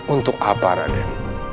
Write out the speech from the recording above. untuk apa raden